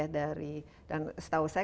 dari dan setahu saya